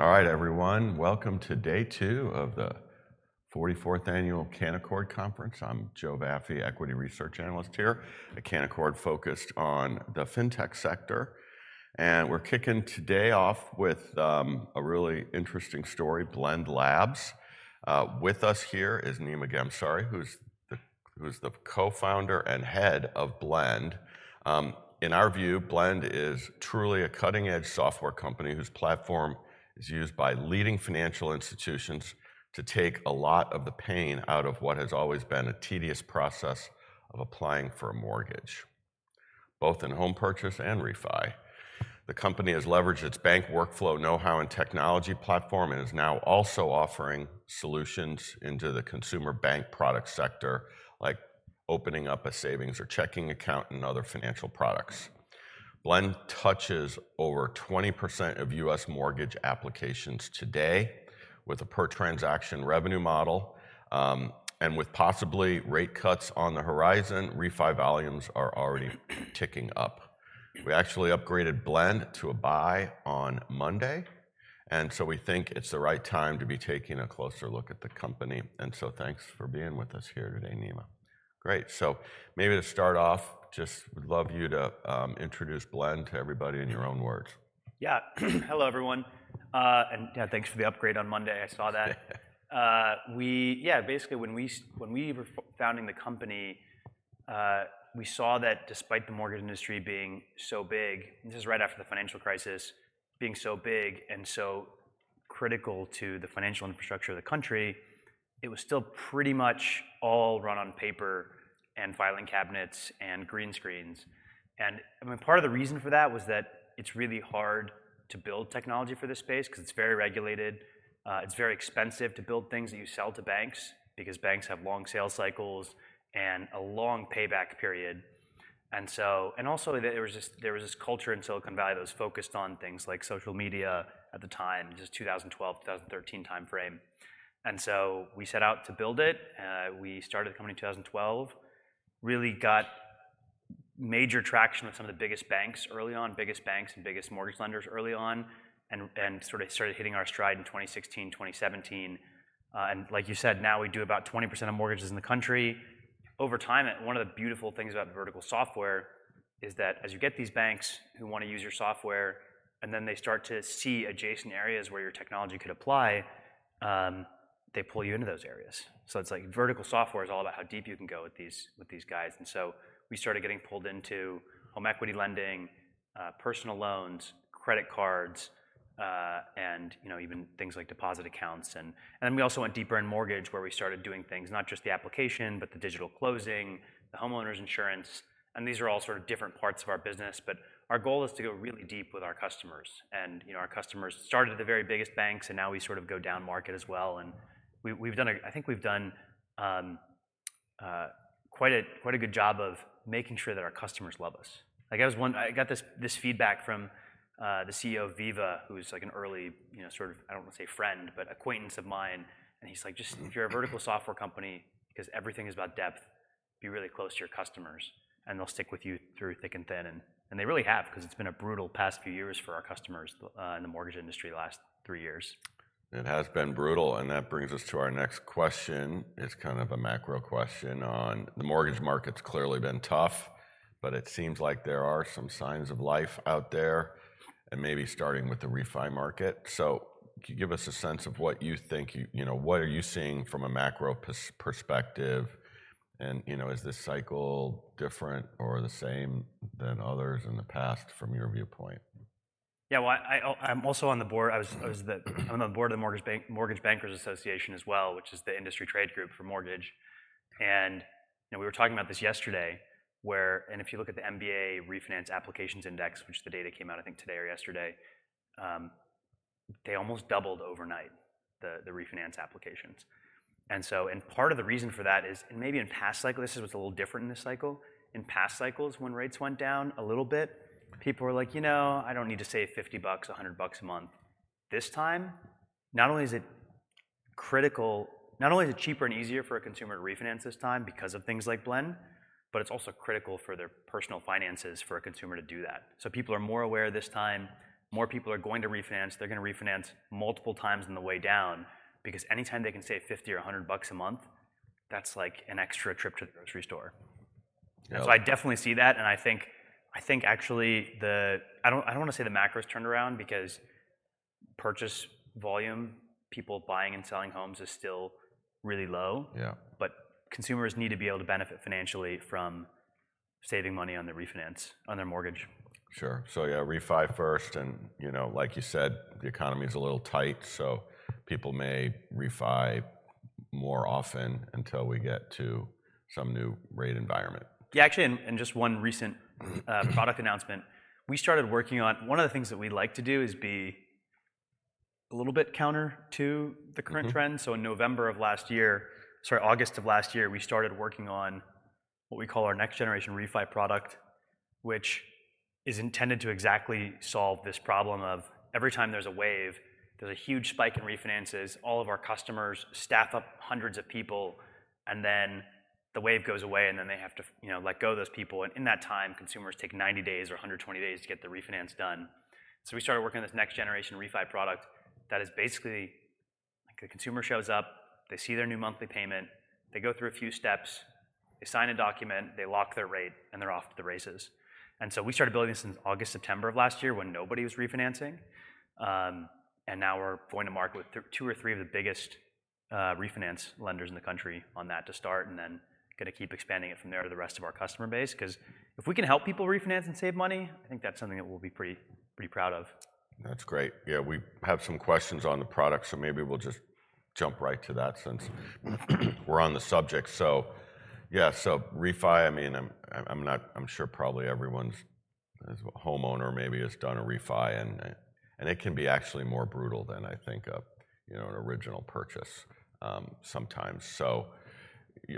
All right, everyone, welcome to day two of the 44th Annual Canaccord Conference. I'm Joe Vafi, equity research analyst here at Canaccord, focused on the fintech sector, and we're kicking today off with a really interesting story, Blend Labs. With us here is Nima Ghamsari, who's the co-founder and head of Blend. In our view, Blend is truly a cutting-edge software company whose platform is used by leading financial institutions to take a lot of the pain out of what has always been a tedious process of applying for a mortgage, both in home purchase and refi. The company has leveraged its bank workflow know-how and technology platform, and is now also offering solutions into the consumer bank product sector, like opening up a savings or checking account and other financial products. Blend touches over 20% of U.S. mortgage applications today with a per-transaction revenue model. And with possibly rate cuts on the horizon, refi volumes are already ticking up. We actually upgraded Blend to a buy on Monday, and so we think it's the right time to be taking a closer look at the company, and so thanks for being with us here today, Nima. Great, so maybe to start off, just would love you to, introduce Blend to everybody in your own words. Yeah. Hello, everyone. Yeah, thanks for the upgrade on Monday. I saw that. Yeah, basically when we were founding the company, we saw that despite the mortgage industry being so big, this is right after the financial crisis, being so big and so critical to the financial infrastructure of the country, it was still pretty much all run on paper and filing cabinets and green screens. And, I mean, part of the reason for that was that it's really hard to build technology for this space because it's very regulated. It's very expensive to build things that you sell to banks because banks have long sales cycles and a long payback period. And so, and also there was this culture in Silicon Valley that was focused on things like social media at the time, just 2012, 2013 timeframe, and so we set out to build it. We started the company in 2012. Really got major traction with some of the biggest banks early on, biggest banks and biggest mortgage lenders early on, and sort of started hitting our stride in 2016, 2017. And like you said, now we do about 20% of mortgages in the country. Over time, one of the beautiful things about vertical software is that as you get these banks who wanna use your software and then they start to see adjacent areas where your technology could apply, they pull you into those areas. So it's like vertical software is all about how deep you can go with these, with these guys. And so we started getting pulled into home equity lending, personal loans, credit cards, and, you know, even things like deposit accounts. And we also went deeper in mortgage, where we started doing things, not just the application, but the digital closing, the homeowners insurance, and these are all sort of different parts of our business. But our goal is to go really deep with our customers, and, you know, our customers started at the very biggest banks, and now we sort of go down market as well, and we, we've done. I think we've done quite a, quite a good job of making sure that our customers love us. Like, I got this feedback from the CEO of Veeva, who was like an early, you know, sort of, I don't wanna say friend, but acquaintance of mine, and he's like, "Just if you're a vertical software company, because everything is about depth, be really close to your customers, and they'll stick with you through thick and thin." And they really have, 'cause it's been a brutal past few years for our customers in the mortgage industry, the last three years. It has been brutal, and that brings us to our next question. It's kind of a macro question on... The mortgage market's clearly been tough, but it seems like there are some signs of life out there, and maybe starting with the refi market. So could you give us a sense of what you think, you know, what are you seeing from a macro perspective? And, you know, is this cycle different or the same than others in the past, from your viewpoint? Yeah, well, I'm also on the board. I'm on the board of the Mortgage Bankers Association as well, which is the industry trade group for mortgage. You know, we were talking about this yesterday, where... And if you look at the MBA Refinance Applications Index, which the data came out, I think, today or yesterday, they almost doubled overnight, the refinance applications. And so, part of the reason for that is, and maybe in past cycles, this was a little different in this cycle. In past cycles when rates went down a little bit, people were like: "You know, I don't need to save $50, $100 a month." This time, not only is it critical... Not only is it cheaper and easier for a consumer to refinance this time because of things like Blend, but it's also critical for their personal finances for a consumer to do that. So people are more aware this time. More people are going to refinance. They're gonna refinance multiple times on the way down, because anytime they can save 50 or 100 bucks a month, that's like an extra trip to the grocery store. Yeah. So I definitely see that, and I think, I think actually the... I don't, I don't wanna say the macro's turned around, because purchase volume, people buying and selling homes is still really low. Yeah. Consumers need to be able to benefit financially from saving money on the refinance on their mortgage. Sure. So, yeah, refi first, and, you know, like you said, the economy is a little tight, so people may refi more often until we get to some new rate environment. Yeah, actually, in just one recent product announcement, one of the things that we like to do is be a little bit counter to the current- Mm-hmm ...trend. So in November of last year, sorry, August of last year, we started working on what we call our next-generation refi product, which is intended to exactly solve this problem of every time there's a wave, there's a huge spike in refinances. All of our customers staff up hundreds of people, and then the wave goes away, and then they have to, you know, let go of those people. And in that time, consumers take 90 days or 120 days to get the refinance done. So we started working on this next generation refi product that is basically, like, the consumer shows up, they see their new monthly payment, they go through a few steps, they sign a document, they lock their rate, and they're off to the races. And so we started building this since August, September of last year when nobody was refinancing. And now we're going to market with two or three of the biggest refinance lenders in the country on that to start, and then gonna keep expanding it from there to the rest of our customer base. 'Cause if we can help people refinance and save money, I think that's something that we'll be pretty, pretty proud of. That's great. Yeah, we have some questions on the product, so maybe we'll just jump right to that since we're on the subject. So yeah, so refi, I mean, I'm sure probably everyone's, as a homeowner, maybe has done a refi and, and it can be actually more brutal than I think of, you know, an original purchase, sometimes.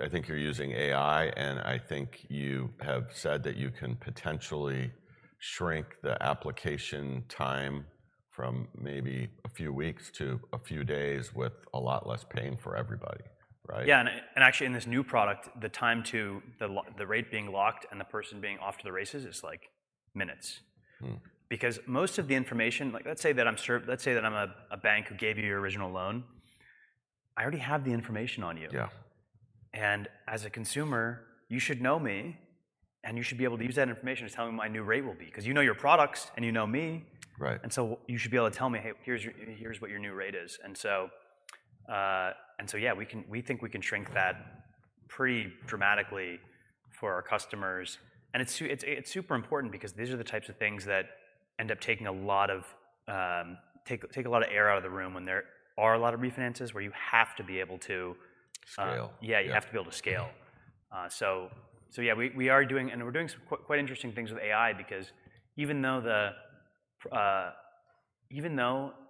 I think you're using AI, and I think you have said that you can potentially shrink the application time from maybe a few weeks to a few days with a lot less pain for everybody, right? Yeah, actually in this new product, the time to the rate being locked and the person being off to the races is, like, minutes. Mm. Because most of the information, like, let's say that I'm a bank who gave you your original loan. I already have the information on you. Yeah. As a consumer, you should know me, and you should be able to use that information to tell me what my new rate will be. 'Cause you know your products, and you know me- Right... and so you should be able to tell me, "Hey, here's your- here's what your new rate is." And so, and so yeah, we think we can shrink that pretty dramatically for our customers, and it's, it's super important because these are the types of things that end up taking a lot of air out of the room when there are a lot of refinances, where you have to be able to. Scale. Yeah, you have to be able to scale. Yeah. So yeah, we are doing, and we're doing some quite interesting things with AI because even though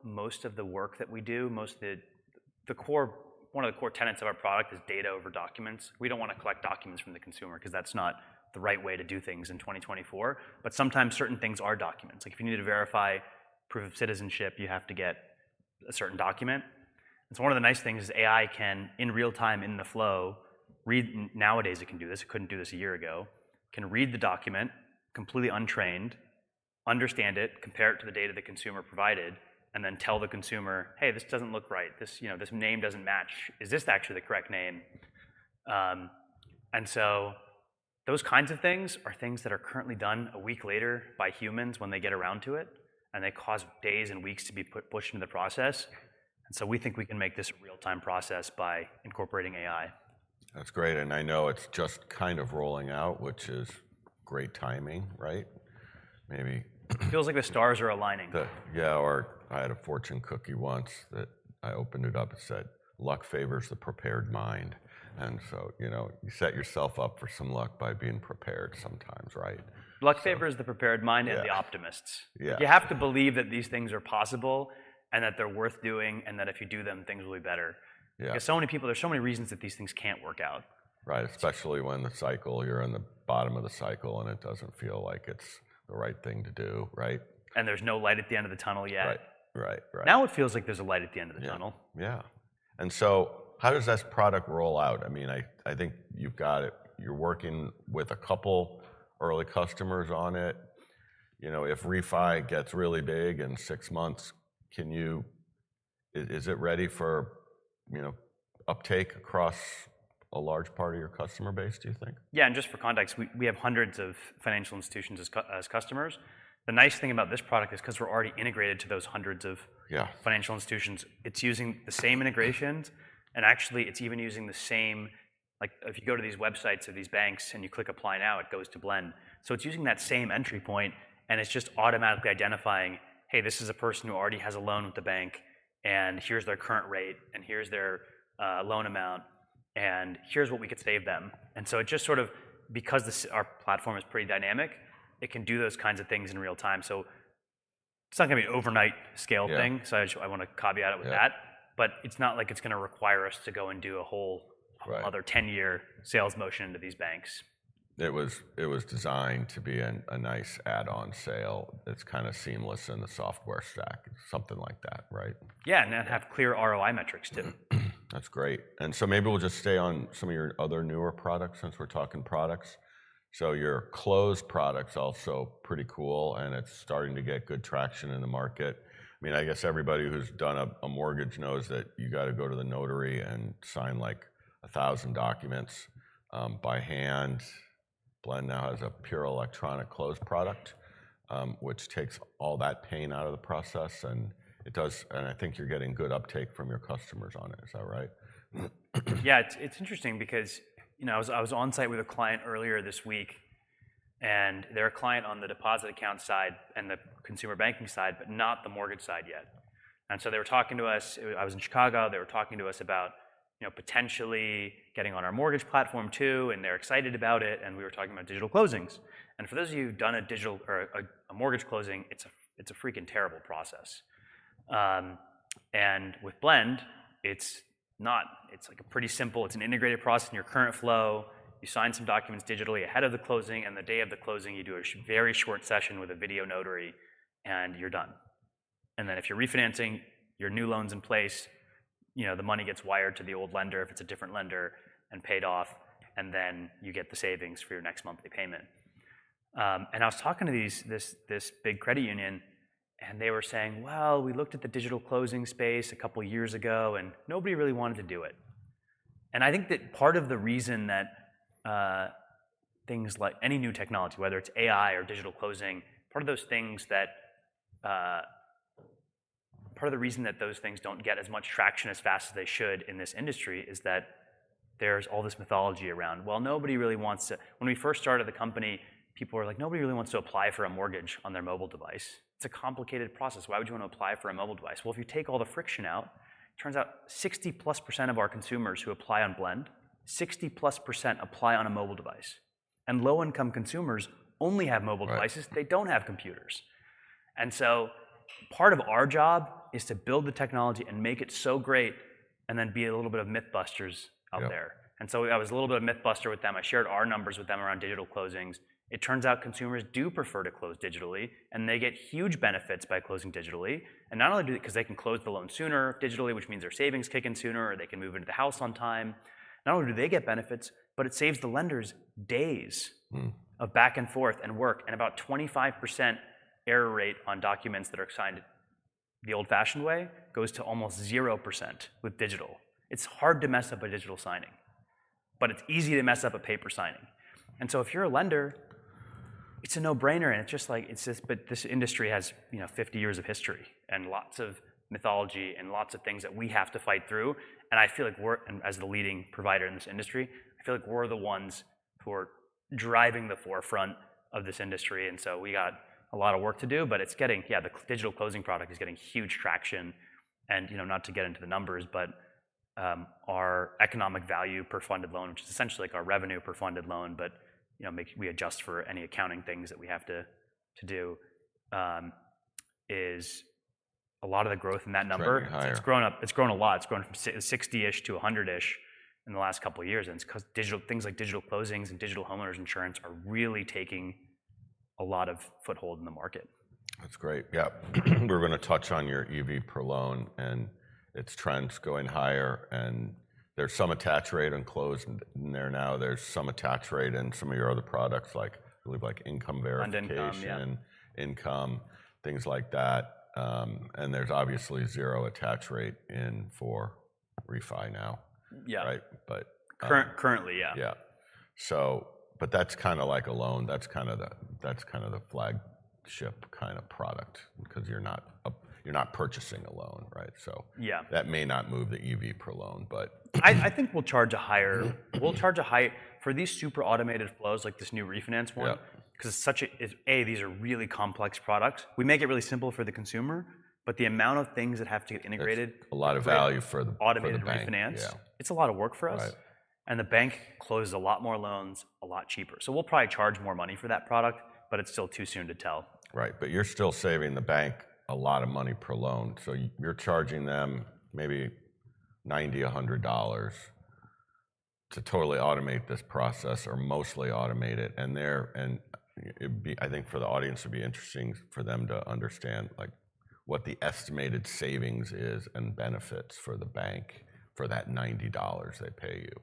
most of the work that we do, most of the core... One of the core tenets of our product is data over documents. We don't want to collect documents from the consumer 'cause that's not the right way to do things in 2024, but sometimes certain things are documents. Like, if you need to verify proof of citizenship, you have to get a certain document. And so one of the nice things is AI can, in real time, in the flow, read... Nowadays, it can do this. It couldn't do this a year ago. It can read the document, completely untrained, understand it, compare it to the data the consumer provided, and then tell the consumer, "Hey, this doesn't look right. This, you know, this name doesn't match. Is this actually the correct name?" And so those kinds of things are things that are currently done a week later by humans when they get around to it, and they cause days and weeks to be put, pushed into the process, and so we think we can make this a real-time process by incorporating AI. That's great, and I know it's just kind of rolling out, which is great timing, right? Maybe- Feels like the stars are aligning. Yeah, or I had a fortune cookie once that I opened it up. It said, "Luck favors the prepared mind." And so, you know, you set yourself up for some luck by being prepared sometimes, right? So- Luck favors the prepared mind. Yeah... and the optimists. Yeah. You have to believe that these things are possible, and that they're worth doing, and that if you do them, things will be better. Yeah. Because so many people, there are so many reasons that these things can't work out. Right, especially when the cycle, you're in the bottom of the cycle, and it doesn't feel like it's the right thing to do, right? There's no light at the end of the tunnel yet. Right. Right, right. Now it feels like there's a light at the end of the tunnel. Yeah, yeah. And so how does this product roll out? I mean, I think you've got it. You're working with a couple early customers on it. You know, if refi gets really big in six months, can you... is it ready for, you know, uptake across a large part of your customer base, do you think? Yeah, and just for context, we have hundreds of financial institutions as customers. The nice thing about this product is, 'cause we're already integrated to those hundreds of- Yeah... financial institutions, it's using the same integrations, and actually, it's even using the same... Like, if you go to these websites of these banks, and you click Apply Now, it goes to Blend. So it's using that same entry point, and it's just automatically identifying, hey, this is a person who already has a loan with the bank, and here's their current rate, and here's their loan amount, and here's what we could save them. And so it just sort of, because this, our platform is pretty dynamic, it can do those kinds of things in real time. So it's not gonna be an overnight scale thing- Yeah... so I just, I want to caveat it with that. Yeah. But it's not like it's gonna require us to go and do a whole- Right... other 10-year sales motion to these banks. It was designed to be a nice add-on sale that's kind of seamless in the software stack, something like that, right? Yeah, and that have clear ROI metrics, too. That's great. And so maybe we'll just stay on some of your other newer products since we're talking products. So your closing product's also pretty cool, and it's starting to get good traction in the market. I mean, I guess everybody who's done a mortgage knows that you gotta go to the notary and sign, like, 1,000 documents by hand. Blend now has a pure electronic closing product, which takes all that pain out of the process, and it does. And I think you're getting good uptake from your customers on it, is that right? Yeah. It's interesting because, you know, I was on site with a client earlier this week, and they're a client on the deposit account side and the consumer banking side, but not the mortgage side yet, and so they were talking to us. I was in Chicago. They were talking to us about, you know, potentially getting on our mortgage platform, too, and they're excited about it, and we were talking about digital closings. And for those of you who've done a digital or a mortgage closing, it's a freaking terrible process. And with Blend, it's not. It's like a pretty simple, it's an integrated process in your current flow. You sign some documents digitally ahead of the closing, and the day of the closing, you do a very short session with a video notary, and you're done. And then if you're refinancing, your new loan's in place, you know, the money gets wired to the old lender, if it's a different lender, and paid off, and then you get the savings for your next monthly payment. And I was talking to this big credit union, and they were saying, "Well, we looked at the digital closing space a couple years ago, and nobody really wanted to do it." And I think that part of the reason that things like any new technology, whether it's AI or digital closing, part of those things that... Part of the reason that those things don't get as much traction as fast as they should in this industry is that there's all this mythology around, "Well, nobody really wants to..." When we first started the company, people were like, "Nobody really wants to apply for a mortgage on their mobile device. It's a complicated process. Why would you wanna apply for a mobile device?" Well, if you take all the friction out, turns out 60%+ of our consumers who apply on Blend, 60%+ apply on a mobile device, and low-income consumers only have mobile devices. Right. They don't have computers. And so part of our job is to build the technology and make it so great, and then be a little bit of myth busters out there. Yeah. And so I was a little bit of myth buster with them. I shared our numbers with them around digital closings. It turns out consumers do prefer to close digitally, and they get huge benefits by closing digitally. And not only do they get benefits because they can close the loan sooner digitally, which means their savings kick in sooner, or they can move into the house on time. Not only do they get benefits, but it saves the lenders days- Mm... of back and forth, and work, and about 25% error rate on documents that are signed the old-fashioned way, goes to almost 0% with digital. It's hard to mess up a digital signing, but it's easy to mess up a paper signing, and so if you're a lender, it's a no-brainer, and it's just like... it's just- but this industry has, you know, 50 years of history, and lots of mythology, and lots of things that we have to fight through. And I feel like we're, as the leading provider in this industry, I feel like we're the ones who are driving the forefront of this industry, and so we got a lot of work to do, but it's getting... Yeah, the digital closing product is getting huge traction. You know, not to get into the numbers, but our Economic Value per funded loan, which is essentially like our revenue per funded loan, but you know, we adjust for any accounting things that we have to do, is a lot of the growth in that number- It's growing higher. It's grown a lot. It's grown from 60-ish to 100-ish in the last couple of years, and it's 'cause things like digital closings and digital homeowners insurance are really taking a lot of foothold in the market. That's great. Yeah. We're gonna touch on your EV per loan, and its trends going higher, and there's some attach rate on close in there now. There's some attach rate in some of your other products, like, I believe, like income verification- And income, yeah.... income, things like that. And there's obviously zero attach rate in for refi now. Yeah. Right? But- Currently, yeah. Yeah. So but that's kinda like a loan. That's kind of the flagship kind of product because you're not a, you're not purchasing a loan, right? So- Yeah... that may not move the EV per loan, but I think we'll charge a higher for these super automated flows, like this new refinance one- Yeah... 'cause it's such as these are really complex products. We make it really simple for the consumer, but the amount of things that have to get integrated- It's a lot of value for the bank. - automated refinance. Yeah. It's a lot of work for us. Right. The bank closes a lot more loans, a lot cheaper. We'll probably charge more money for that product, but it's still too soon to tell. Right. But you're still saving the bank a lot of money per loan, so you're charging them maybe $90-$100 to totally automate this process, or mostly automate it. And it'd be, I think, for the audience, it would be interesting for them to understand, like, what the estimated savings is and benefits for the bank for that $90 they pay you.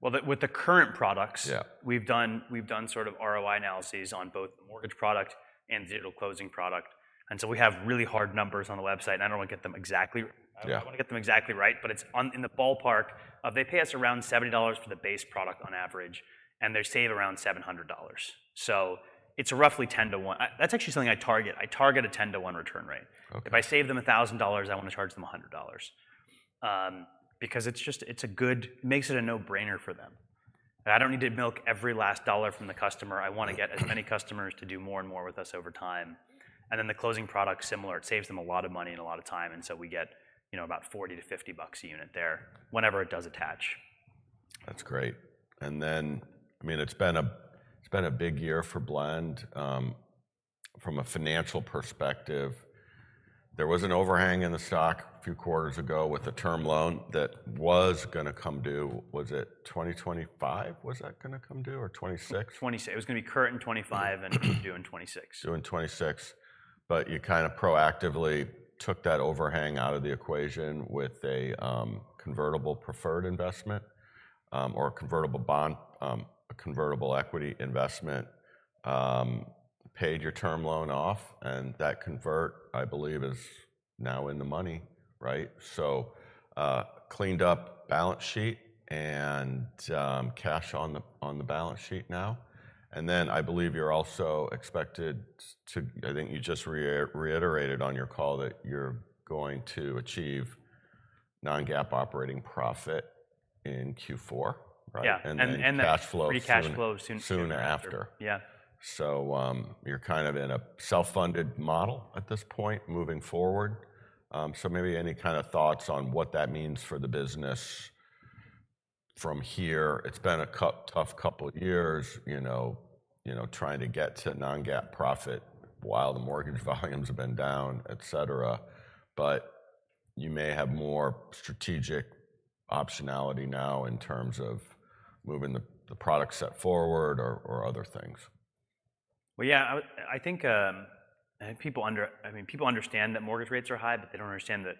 Well, with the current products- Yeah... we've done, we've done sort of ROI analyses on both the mortgage product and digital closing product, and so we have really hard numbers on the website, and I don't wanna get them exactly- Yeah... I don't wanna get them exactly right, but it's on, in the ballpark of, they pay us around $70 for the base product on average, and they save around $700. So it's roughly 10-to-1. That's actually something I target. I target a 10-to-1 return rate. Okay. If I save them $1,000, I wanna charge them $100, because it's just, it's a good... Makes it a no-brainer for them. I don't need to milk every last dollar from the customer. I wanna get as many customers to do more and more with us over time. And then the closing product's similar, it saves them a lot of money and a lot of time, and so we get, you know, about $40-$50 a unit there, whenever it does attach. That's great. And then, I mean, it's been a big year for Blend. From a financial perspective, there was an overhang in the stock a few quarters ago with the term loan that was gonna come due, was it 2025, was that gonna come due, or 2026? 2026. It was gonna be current in 2025 and due in 2026. Due in 2026. But you kind of proactively took that overhang out of the equation with a, convertible preferred investment, or a convertible bond, a convertible equity investment. Paid your term loan off, and that convert, I believe, is now in the money, right? So, cleaned up balance sheet and, cash on the, on the balance sheet now, and then I believe you're also expected to... I think you just re-iterated on your call that you're going to achieve non-GAAP operating profit in Q4, right? Yeah. And then cash flow. And then free cash flow soon.... soon after. Yeah. So, you're kind of in a self-funded model at this point, moving forward. So maybe any kind of thoughts on what that means for the business from here? It's been a tough couple years, you know, you know, trying to get to non-GAAP profit while the mortgage volumes have been down, et cetera, but you may have more strategic optionality now in terms of moving the, the product set forward or, or other things. Well, yeah, I think, I mean, people understand that mortgage rates are high, but they don't understand that...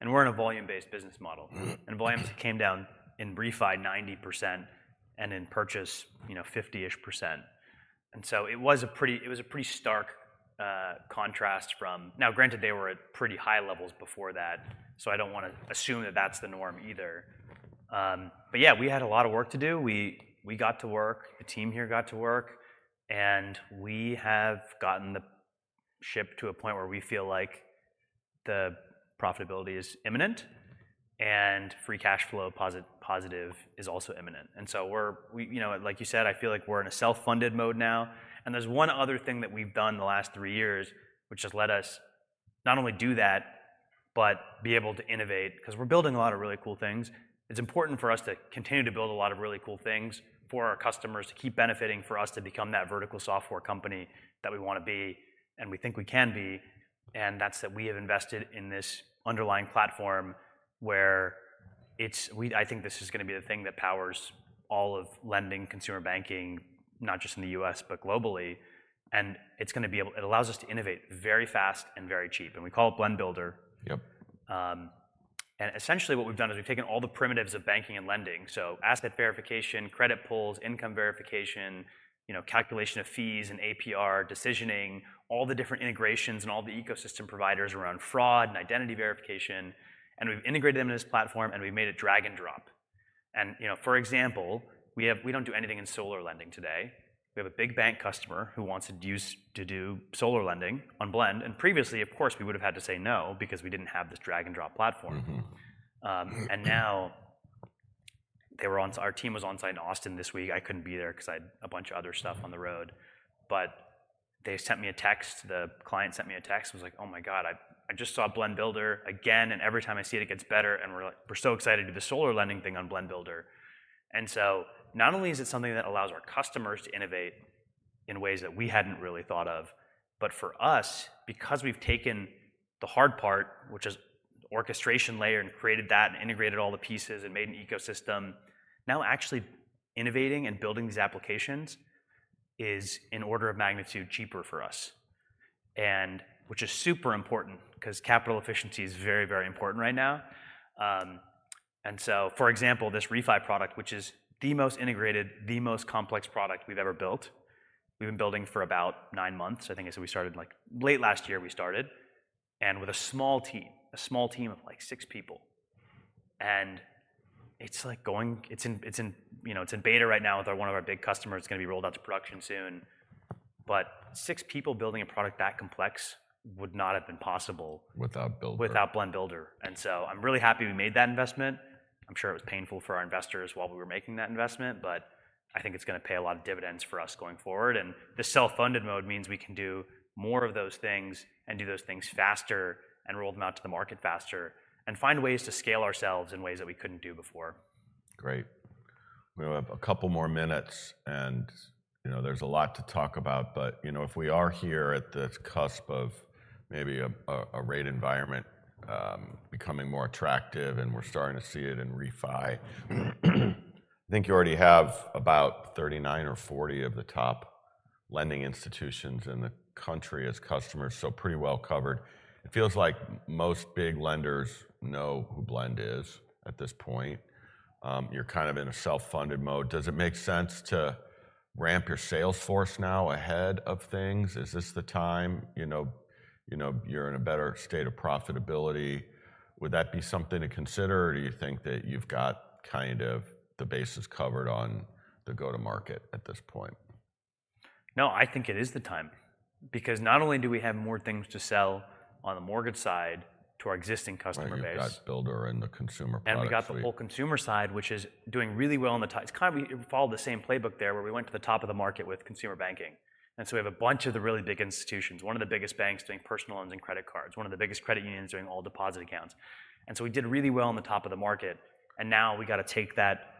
And we're in a volume-based business model. Mm-hmm. And volumes came down in refi, 90%, and in purchase, you know, 50-ish%. And so it was a pretty stark contrast from... Now, granted, they were at pretty high levels before that, so I don't wanna assume that that's the norm either. But yeah, we had a lot of work to do. We, we got to work, the team here got to work, and we have gotten the ship to a point where we feel like the profitability is imminent, and free cash flow positive is also imminent. And so we're, we, you know, like you said, I feel like we're in a self-funded mode now, and there's one other thing that we've done the last three years, which has let us not only do that, but be able to innovate, 'cause we're building a lot of really cool things. It's important for us to continue to build a lot of really cool things for our customers to keep benefiting, for us to become that vertical software company that we wanna be, and we think we can be, and that's that we have invested in this underlying platform where I think this is gonna be the thing that powers all of lending, consumer banking, not just in the U.S., but globally, and it's gonna be able... It allows us to innovate very fast and very cheap, and we call it Blend Builder. Yep. And essentially what we've done is we've taken all the primitives of banking and lending, so asset verification, credit pulls, income verification, you know, calculation of fees and APR, decisioning, all the different integrations and all the ecosystem providers around fraud and identity verification, and we've integrated them into this platform, and we've made it drag and drop. You know, for example, we don't do anything in solar lending today. We have a big bank customer who wants to use to do solar lending on Blend, and previously, of course, we would've had to say no, because we didn't have this drag-and-drop platform. Mm-hmm. Our team was on-site in Austin this week. I couldn't be there 'cause I had a bunch of other stuff on the road, but they sent me a text. The client sent me a text and was like: "Oh, my God, I, I just saw Blend Builder again, and every time I see it, it gets better, and we're like, we're so excited to do the solar lending thing on Blend Builder." And so not only is it something that allows our customers to innovate in ways that we hadn't really thought of, but for us, because we've taken the hard part, which is orchestration layer, and created that and integrated all the pieces and made an ecosystem, now actually innovating and building these applications is an order of magnitude cheaper for us, and which is super important, 'cause capital efficiency is very, very important right now. And so, for example, this refi product, which is the most integrated, the most complex product we've ever built, we've been building for about nine months. I think I said we started, like, late last year, and with a small team of, like, six people, and it's, like, going. It's in, you know, it's in beta right now with one of our big customers. It's gonna be rolled out to production soon. But six people building a product that complex would not have been possible- Without Blend Builder. without Blend Builder, and so I'm really happy we made that investment. I'm sure it was painful for our investors while we were making that investment, but I think it's gonna pay a lot of dividends for us going forward. And the self-funded mode means we can do more of those things and do those things faster and roll them out to the market faster and find ways to scale ourselves in ways that we couldn't do before. Great. We have a couple more minutes, and, you know, there's a lot to talk about, but, you know, if we are here at the cusp of maybe a rate environment becoming more attractive, and we're starting to see it in refi, I think you already have about 39 or 40 of the top lending institutions in the country as customers, so pretty well covered. It feels like most big lenders know who Blend is at this point. You're kind of in a self-funded mode. Does it make sense to ramp your sales force now ahead of things? Is this the time, you know, you know, you're in a better state of profitability? Would that be something to consider, or do you think that you've got kind of the bases covered on the go-to-market at this point? No, I think it is the time, because not only do we have more things to sell on the mortgage side to our existing customer base- Right, you've got Builder and the consumer product suite. We've got the whole consumer side, which is doing really well on the top. It's kind of we followed the same playbook there, where we went to the top of the market with consumer banking, and so we have a bunch of the really big institutions, one of the biggest banks doing personal loans and credit cards, one of the biggest credit unions doing all deposit accounts, and so we did really well on the top of the market, and now we gotta take that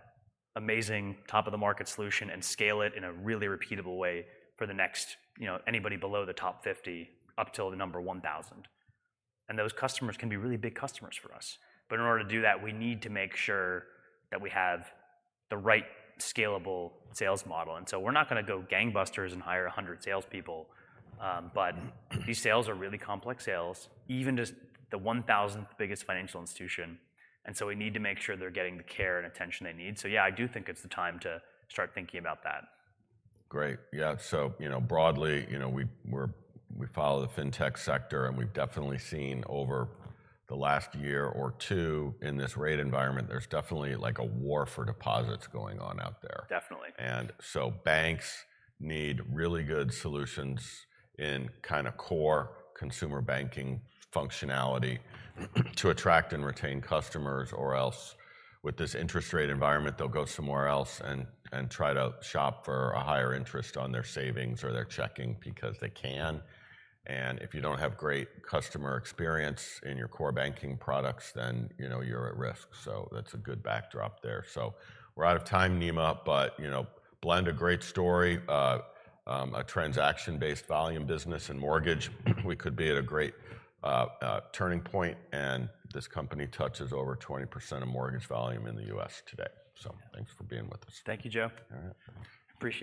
amazing top-of-the-market solution and scale it in a really repeatable way for the next, you know, anybody below the top 50, up till the number 1,000. Those customers can be really big customers for us, but in order to do that, we need to make sure that we have the right scalable sales model, and so we're not gonna go gangbusters and hire 100 salespeople. But these sales are really complex sales, even just the 1,000th biggest financial institution, and so we need to make sure they're getting the care and attention they need. Yeah, I do think it's the time to start thinking about that. Great. Yeah, so, you know, broadly, you know, we follow the fintech sector, and we've definitely seen over the last year or two in this rate environment, there's definitely, like, a war for deposits going on out there. Definitely. And so banks need really good solutions in kind of core consumer banking functionality to attract and retain customers, or else with this interest rate environment, they'll go somewhere else and try to shop for a higher interest on their savings or their checking because they can. And if you don't have great customer experience in your core banking products, then, you know, you're at risk, so that's a good backdrop there. So we're out of time, Nima, but, you know, Blend, a great story. A transaction-based volume business and mortgage. We could be at a great turning point, and this company touches over 20% of mortgage volume in the U.S. today. So- Yeah. Thanks for being with us. Thank you, Joe. All right. Appreciate it.